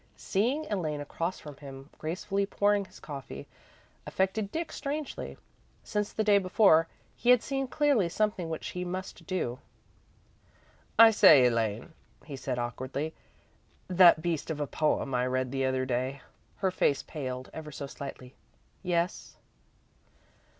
Seeing Elaine across from him, gracefully pouring his coffee, affected Dick strangely. Since the day before, he had seen clearly something which he must do. "I say, Elaine," he began, awkwardly. "That beast of a poem I read the other day " Her face paled, ever so slightly. "Yes?"